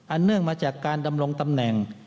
เนื่องมาจากการดำรงตำแหน่ง